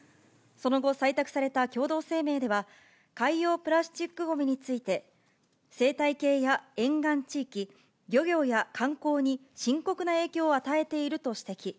その後、採択された共同声明では、海洋プラスチックごみについて、生態系や沿岸地域、漁業や観光に深刻な影響を与えていると指摘。